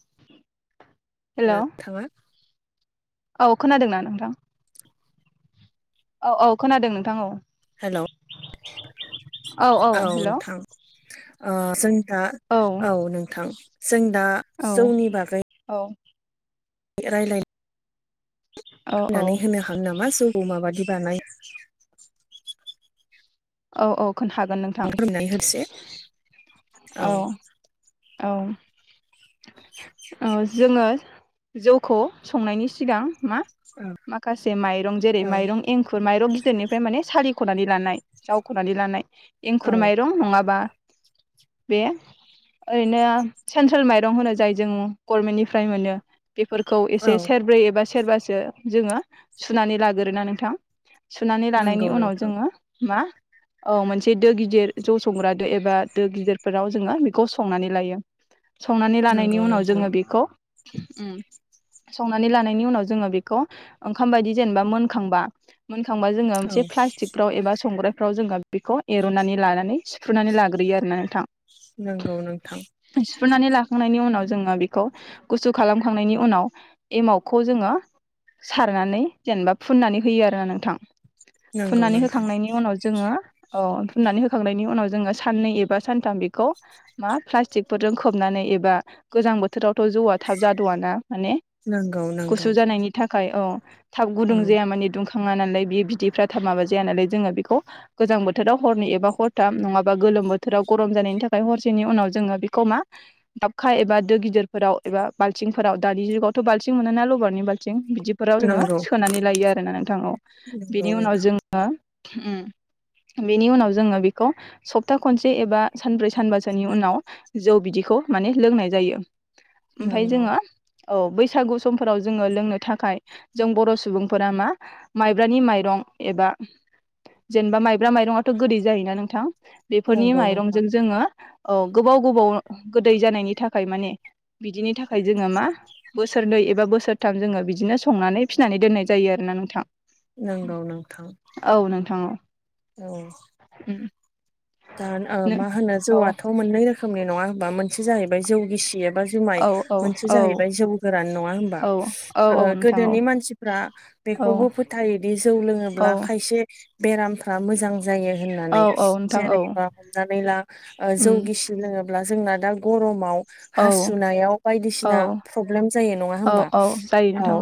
[inaudible] नोंथाङा औ खोनादोंना नोंथां औ औ खोनादों नोंथां औ हेलौ औ नोंथां ओ जों दा औ नोंथां जों दा औ जौनि बागै रायलायनि औ औ फोनानै होनो हागोन नामा जौखौ माबादि बानायो औ औ खोन्थागोन नोंथां फोरमायनानै होदोसै औ औ औ जोङो जौखौ संनायनि सिगां मा माखासे माइरं जेरै औ माइरं एंखुर माइरं [unintelligible] निफ्राय माने सालिखनानै लानाय जावखनानै लानाय एंखुर औ माइरं नङाबा बे ओरैनो सेन्ट्रेल माइरं होनो जाय जों गरमेन्टनिफ्राय मोनो बेफोरखौ औ एसे सेरब्रै एबा सेरबासो जोङो सुनानै लागोरोना नोंथां सुनानै लानायनि नंगौ उनाव नोंथां जोङो मा औ मोनसे दो गिदिर ज' संग्रा दो एबा दो गिदिरफोराव जोङो बेखौ संनानै लायो संनानै लानायनि नंगौ उनाव नोंथां जोङो बेखौ संनानै लानायनि उनाव जोङो बेखौ ओंखाम बायदि जेनेबा मोनखांबा थांबा जोङो औ मोनसे प्लास्टिकफ्राव एबा संग्रो फाव जोङो बेखौ एर'नानै लानानै सिफ्रुनानै लाग्रोयो आरोना नोंथां थां हुफुनानै लाखांनायनि उनाव जोङो बेखौ गुसु खालामखांनायनि उनाव एमावखौ जोङो सारनानै जेनेबा फुननानै होयो आरो ना नोंथां नंगौ फुननानै नोंथां होखांनायनि उनाव जोङो औ फुननानै होखांनायनि उनाव जोङो साननै एबा सानथाम बेखौ मा प्लास्टिकफोरजों खोबनानै एबा गोजां बोथोरावथ' जौआ थाब जाद'आ ना माने नंगौ नंगौ गुसु जानायनि थाखाय औ थाब औ गुदुं जाया माने दुंख थाङा नालाय बि बिदिफ्रा थाब माबा जाया नालाय जों बेखौ गोजां बोथोराव हरनि एबा हरथाब नङाबा गो बोथोराव गरम जानायनि थाखाय हर नि उनाव जोङो बेखौ मा दाबखा एबा दो गिदिरफोराव एबा बालथिंफोराव दानि जुगावथ' बाल मोन ना लबरनि बाल बिदिफोराव जोङो नंगौ सोनानै लायो आरोना नोंथां नंगौ बेनि उनाव नोंथां जोङो बेनि उनाव जोङो बेखौ सप्ता खनसे एबा सानब्रै सानबासो बिनि उनाव जौ बिदिखौ माने लोंनाय जायो ओमफफ्राय नंगौ जोङो औ बैसागु समफोराव जोङो लोंनो थाखाय जों बर' सुबुंफोरा मा माइब्रानि माइरं एबा जेनेबा माइब्रा माइरङाथ' गोदै जायोना नोंथां बेफोरनि नंगौ नोंथां माइरंजों जोङो औ गोबाव गोबाव गोदै जानायनि थाखाय माने बिदिनि थाखाय जोङो मा बोसोरनै एबा बोसोरथाम जोङो बिदिनो संनानै फिसिनानै दोननाय जायो आरोना नोंथां नंगौ नोंथां औ नोंथां औ औ उम दा नो मा होनो औ जौआथ' मोननै रोखोमनि नङा होनोमबा मोनसे जाहैबाय जौ गिसि ए बा जुमाय औ औ मोनसे औ जाहैबाय जौ गोरान नङा होनबा औ औ औ नोंथां औ गोदोनि मानसिफ्रा औ बेखौबो फोथायोदि जौ औ लोङोब्ला खायसे बेरामफ्रा मोजां जायो औ होननानै औ नोंथां औ जेरैबा हमनानै ला उम जौगिसि लोङ होनोब्ला जोंना दा गरमाव औ हासुनायाव औ बायदिसिना प्रब्लेम जायो नङा औ हमबा औ जायो औ नोंथां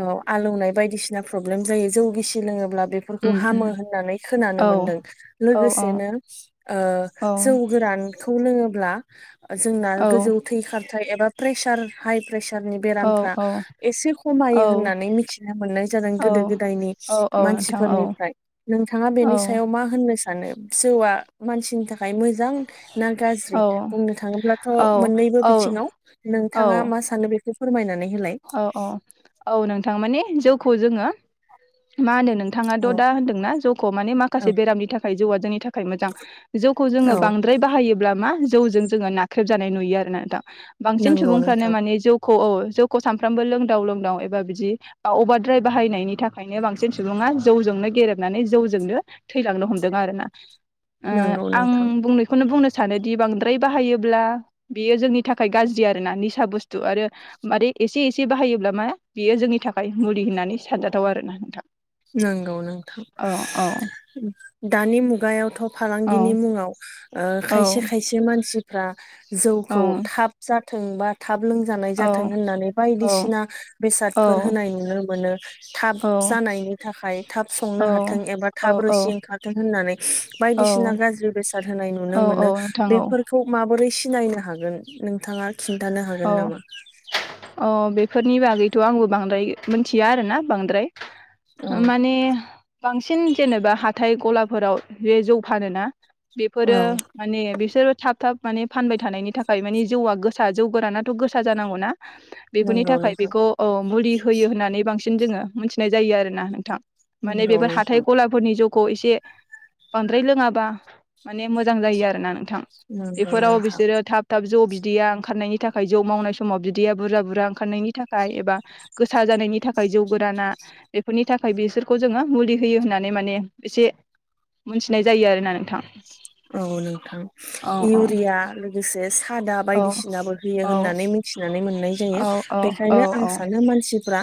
औ आलौनाय बायदिसिना प्रब्लेम जायो जौ गिसि लोङोब्ला बेफोरखौ उम उम हामो होननानै खोनानो औ मोनदों औ औ लोगोसे बिदिनो औ जौ गोरानखौ लोङोब्ला जोंना गोजौ थै खारथाय एबा प्रेसार हाइ प्रेसारनि औ बेरामफ्रा एसे औ खमायो होननानै मिथिनो मोननाय जादों औ गोदो गोदायनि औ औ नोंथां औ मानसिफोरनिफ्राय नोंथाङा औ बेनि सायाव मा होननो सानो जौआ मानसिनि थाखाय मोजां ना गाज्रि औ बुंनो थाङोब्लाथ' मोननैबो बिथिङाव नोंथाङा मा सानो बेखौ फोरमायनानै होलाय औ औ औ नोंथां माने जौखौ जोङो मा होनदों औ नोंथाङाथ' दा होनदोंना जौखौ माने माखासे औ बेरामनि थाखाय जौआ जोंनि थाखाय थाखाय मोजां जौखौ जोङो औ बांद्राय बाहायोब्ला मा जौजों जोङो नाख्रेबजानाय नुयो आरो न दां बांसिन नंगौ सुबुंफ्रानो नोंथां माने जौखौ औ जौ सानफ्रामबो लोंदाव लोंदाव एबा बिदि अभारद्राय बाहायनायनि थाखायनो बांसिन सुबुङा जौजोंनो गेबनानै जौजोंनो थैलांनो हमदों आरोना नंगौ नोंथां आंनायखौनो बुंनो सानोदि बांद्राय बाहायोब्ला बियो जोंनि थाखाय गाज्रि आरोना निसा बुस्थु आरो मारे एसे एसे बाहायोब्ला मा बियो जोंनि थाखाय मुलि होननानै सानजाथाव आरोना नोंथां नंगौ नोंथां औ दानि मुगायावथ' फालांगिनि औ मुङाव ओ खायसे औ खायसे मानसिफ्रा औ जौखौ थाब जा थोंबा थाब लोंजानाय औ जाथों होननानै औ बायदिसिना औ बेसादफोर होनाय नुनो मोनो थाब औ जानाय थाखाय थाब संनो हाथों एबा औ थाब रोसि ओंखारथों होननानै औ बायदिसिना गाज्रि बेसाद होना नुनो औ मोन नोंथां औ बेफोरखौ माबोरै सिनायनो हागोन नोंथाङा खिन्थानो हागोन नामा फोरनि बागैथ' आंबो बांद्राय मोनथिया आरोना बांद्राय औ माने बांसिन जेनेबा हाथाय ग'लाफोराव जौ फानोना औ बेफोरो माने बिसोरो थाब थाब माने फानबाय थानायनि थाखाय मानि जौआ गोसा जौ गोरानाथ' गोसा जानांगौनाा बेफोरनि नंगौ थाखाय नोंथां बेखौ मुलि होयो होननानै बांसिन जों मोनथिनाय जायोना नोंथां। माने नंगौ बेफोर नोंथां हाथाय गर्खाफोरनि जौ खौ एसे बांद्राय लोङाबा माने मोजां जायो आरोना थां नंगौ बेफोराव नोंथां बिसोरो थाब थाब जौ बिदै आ ओंखारनायनि थाखाय जौ मावनाय समाव बिदैया बुरजा बुरजा ओंखारनायनि थाखाय एबा गोसा जानायनि थाखाय जौ गोरान ना बेफोरनि थाखाय बिसोरखौ जोङो मुलि होयो होननानै माने एसे मोनथिनाय जायो आरोना नोंथां। औ नोंथां औ औ इउरिया लोगोसे खादा औ बायदिसिनाबो होयो औ होननानै मिथिनानै मोननाय जायो औ औ औ बेखायनो आं सानो मानसिफ्रा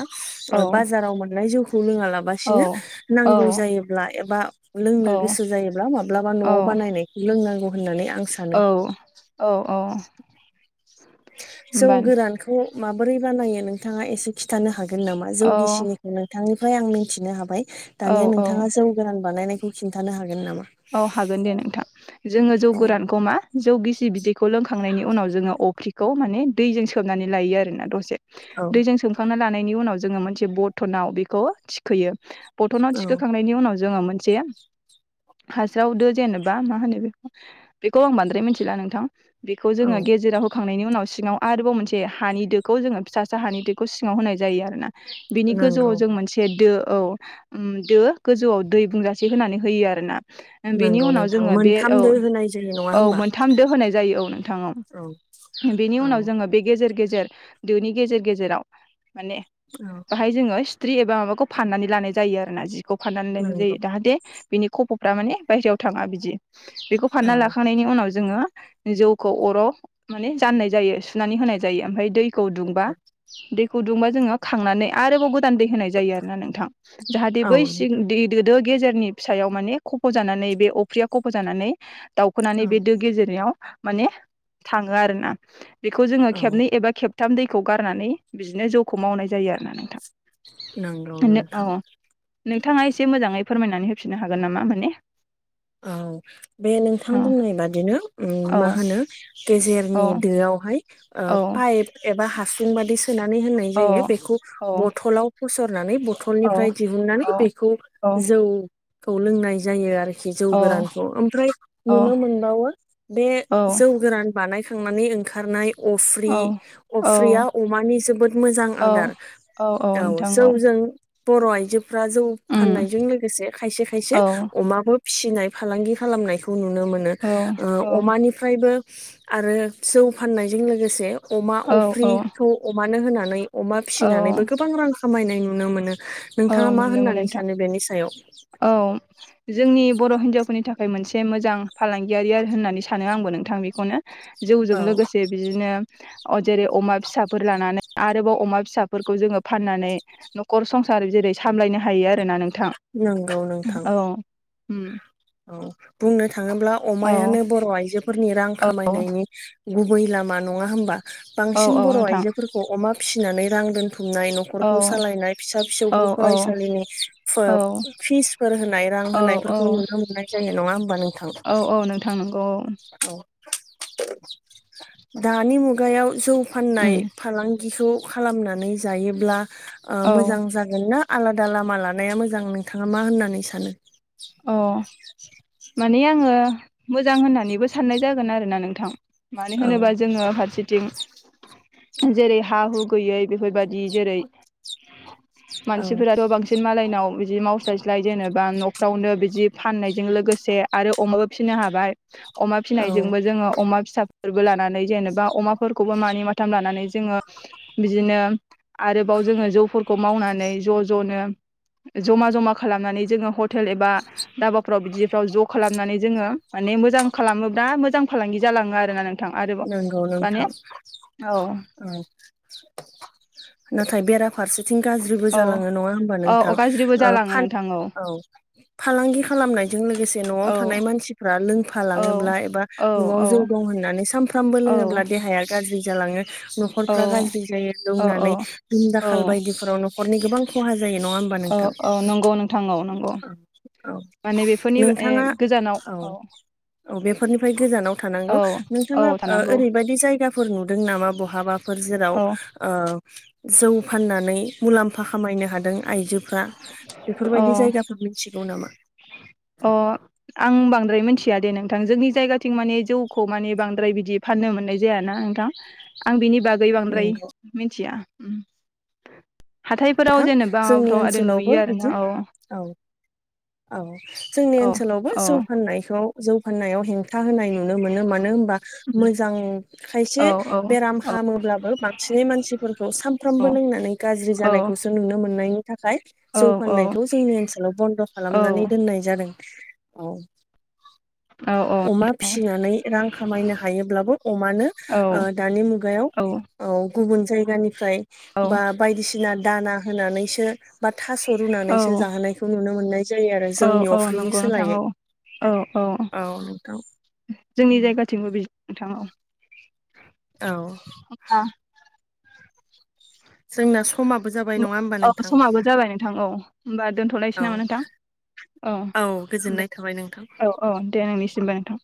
औ बाजाराव मोननाय जौखौ लोङा औ लासिनो औ नांगौ जायोब्ला एबा लों नो औ गोसो जायोब्ला माब्लाबा न'आव बानायनायखौ लोंनांगौ होननानै आं सानो औ औ औ जौ होमबा गोरानखौ माबोरै बानायो नोंथाङा एसे खिन्थानो हागोन नामा जौ औ गिसिनिखौ नोंथांनिफ्राय आं मिथिनो हाबाय औ दानिया औ नोंथाङा जौ गोरान बानायनाय बे खौ खिन्थानो हागोन नामा? औ हागोन दे नोंथां जोङो जौ औ गोरानखौ मा जौ गिसि बिदैखौ लोंखांनायनि उनाव जो अफ्रिखौ म दैजों सनानै ल आरोना दसे औ दै सखां ला उनाव जोङो मोनसेनखौ थिखयो बथनाव औ थिखांनायनि उनाव जोङो मोनसेया हास्रावदो जेनेबा मा होनो बे बेखौ आं बांद्राय मिथिला नोंथां बेखौ औ जोङो गेजेराव होखांनायनि उनाव सिङाव आरोबाव मोनसे हानि दोखौ जोङो फिसासा हानि दोखौ सिङाव होनाय जायो आरोना बिनि नंगौ गोजौआव जों मोनसे दो औ दो गोजौआव दै बुंजासे होनानै होयो आरोना बेनि नंगौ उनाव नोंथां जोङो बे मोनथाम औ दो होनाय जायो नङा औ होमबा मोनथाम दो होनाय जायो औ नोंथां औ बेनि औ उनाव जोङो बे गेजेर गेजेर दोनि गेजेर गेजेराव माने औ बाहाय जोङो सिथ्रि एबा माबाखौ फाननानै लानाय जायो आरो ना जिखौ फाननानै लानाय नंगौ जायो दाहाथे बिनि खप' फ्रा माने बायहेरायाव थाङा बिदि बेखौ फानना औ लाखांनायनि उनाव जोङो जौखौ अर' माने जाननाय जायो सुनानै होनाय जायो ओमफ्राय दै खौ दैदुंबा औ दैखौ दुंबा जोङो खांनानै आरोबाव दै होनाय जायो आरो ना नोंथां जाहाथे औ बै सिदो गेजेरनि फिसायाव माने खफ' जानानै बे अफ्रिया खफ' जानानै दाउखोनानै बे दो गेजेरनायाव माने थाङो आरोना बेखौ जोङो औ खेबनै एबा खेब थाम दैखौ गारनानै बिदिनो ज'खौ मावनाय जायो आरो ना नोंथां। नंगौ अ नोंथां नोंथाङा एसे मोजाङै फोरमायनानै होफिननो हागोन नामा माने औ बे औ नोंथां बुंनाय बादिनो औ मा होनो गेजेर औ औ दहायाइ एबा हासुं बायदि सोना होना औ जायो बेखौ औ बथलाव फसरनानै औ बथलनिफ्राय दिहुननानै औ बेखौ औ जौ खौ लोंनाय जायो आरो खिजौ औ गोरानखौ ओमफ्राय औ नुनो मोनबावो बे जौ गोरान बानाय थांनानै ओंखारनाय अफ्रि औ अफ्रिया अमानि जोबोद मोजां औ आदार औ सौजों बर' आइजोफ्रा जौ उम फाननायजों लोगोसे खायसे खायसे औ अमाबो फिसिनाय फालांगि खालामनायखौ नुनो मोनो औ औ ओ अमानिफ्रायबो आरो जौ फाननायजों लोगोसे अमा औ अफ्रि औ खौ अमानो होनानै अमा औ फिसिनानैबो गोबां रां खामायनाय नुनो मोनो। औ नोंथाङा मा नुनो मोनो होननानै नोंथां सानो बेनि सायाव औ जोंनि बर' हिनजावफोरनि थाखाय मोनसे मोजां फालांगियारि आर होननानै सानो आंबो नोंथां बेखौनो जौजों औ लोगोसे बिदिनो अ जेरै अमा फिसाफोर लानानै आरोबाव अमा फिसाफोरखौ जोङो फाननानै न'खर संस सार जेरै सामलायनो हायो आरोना नोंथां, नंगौ नोंथां औ। उम औ बुंनो थाङोब्ला औ अमायानो बर' आय फोरनि रां खामायनायनि गुबै लामा नङा होमबा औ बांसिन औ बर' नोंथां आइजोफोरखौ अमा फिसिनानै रां दोन हुमनाय औ न'खरखौ सालायनाय फिसा औ फिसौखौ औ फरायसालिनि फोब-फिसफोर होनाय। आव औ औ होनायफोरखौ नुनो मोननाय जायो नङा होमबा नोंथां औ औ नोंथां नंगौ औ औ। दानि मुगायाव जौ फाननाय उम फालां गिखौ खालामनानै जायोब्ला ओ औ मोजां जागोन ना? आलादा लामा लानाया मोजां, नोंथाङा मा होननानै सानो? अ माने आङो मोजां होननानैबो साननाय जागोन आरोना नोंथां मानो औ होनोबा जों। जेरै हा हु गैयै बेफोरबायदि जेरै औ मानसिफोराथ' बांसिन मालायनाव बिदि मावस्लायस्लाय जेनेबा न' फ्रावनो बिदि फाननायजों लोगोसे आरो अमाबो फिसिनो हाबाय। अमा औ फिनायजोंबो जोङो अमा फिसा फोरबो लानानै जेनेबा अमाफोरखौबो मानि माथाम लानानै जोङो बिदिनो आरोबाव न'आव जोंओ जौ फोरखौ मावनानै ज' ज' नो जमा जमा खालामनानै जोंओ ह' टोल एबा धाबाफ्राव बिदिफ्राव ज' खालामनानै जोङो माने मोजां खालामोबा मोजां फालांगि जा लांआरोना नों नंगौ नोंथां औ नाथाय बेराम जों गाज्रिबो औ जालाओ नङा हबा नोंथां औ गाज्रिबो औ जालाङो फान नोंथां औ फालांगि खालामनाय। बेजों लोगोसे औ न'आव थानाय मानसिफ्रा लोंफा लांओब्ला एबा औ न'आव औ जौ दं होननानै सानफ्रोम फ्रामबो औ लोङोब्ला देहाया गाज्रि जालाङो। न'खरफ्रा गाज्रि जायो लोंनानै औ उनदाखाल बायदिफोराव न'खरनि गोबां खहा जा अ अ नंगौ नोंथां औ नंगौ। औ माने बेफोरनिबो ए नोंथाङा गोजानाव औ औ बेफोरनिफ्राय गोजानाव थानांगौ औ औ नोंथाङा। ओ थानांगौ रैबायदि जायगाफोर नुदों नामा? बहाबाफोर जेराव ओ औ औ जौ फाननानै मुलाम्फा खामायनो हादों आइजो फ्रा अ बेफोरबायदि जायगाफोर मिथिगौ नामा? गैयादे नोंथां जोंनि जायगाथिं माने जौखौ माने बांद्राय बिदि फाननो मोननाय जाय ना नोंथां आं बिनि बाग गै बांद्राय नोंगौ मिथिया हाथायफोराव नोंथां जेनेबा जोंनि दोन ओनसोलावबो लुयो आरोना बिदि औ औ औ जोंनि औ ओनसोलावबो औ जौ फाननायखौ जौ फाननायाव हें था होनाय नुनो मोनो मानोहोनबा मोजां खायसे औ बेराम औ हामोब्लाबो बांसिन मानसिफोरखौ सानफ्रामबो लोंनानै गाज्रि जानायखौसो नुनो मोननायनि थाखाय औ जौ फाननायखौ जोंनि ओनसोलाव बन्द' औ खालामनानै दोननाय जादों। ओं औ आ अमा फिसिनानै रां खामायनो हायोब्लाबो अमानो औ दानि मुगायाव। औ गुबुन जायगानिफ्राय औ बा बायदिसिना दाना होनानैसो बा थास' औ रुनानैसो जाहोनायखौ नुनो मोननाय। जायो आरो औ जौनि औ अफ्रिनि नंगौ नोंथां सोलायै औ। औ औ जोंनि जायगाथिंबो बे औ [unintelligible] जोंना समाबो जाबाय नङा होमबा औ नोंथां समाबो जाबाय नोंथां औ होमबा दोन्थ'लायनोसै औ नामा नोंथां? औ गोजोननाय दे थाबाय नोंथां औ औ दे नोंनिसिमबो नोंथां।